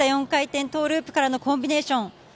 ４回転トーループからのコンビネーション。